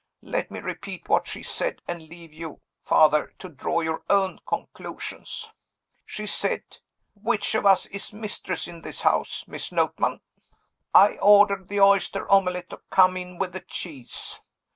Let me repeat what she said, and leave you, Father, to draw your own conclusions. She said, 'Which of us is mistress in this house, Miss Notman? I order the oyster omelet to come in with the cheese.